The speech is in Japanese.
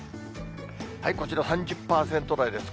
こちら３０％台です。